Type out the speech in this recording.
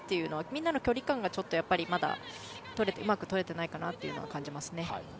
みんなの距離感がまだうまくとれていないと感じますね。